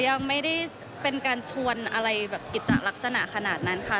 ยังไม่ได้เป็นการชวนอะไรแบบกิจจัดลักษณะขนาดนั้นค่ะ